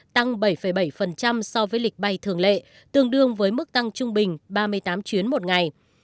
tăng bảy bảy so với lịch bay thường lệ tương đương với mức tăng trung bình ba mươi tám chuyến một ngày